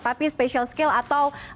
tapi special skill atau